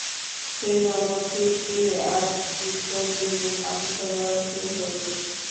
সেই নম্বরে ফিরতি আরেকটি ফোন দিলেই পানি সরবরাহ শুরু হয়ে যাবে।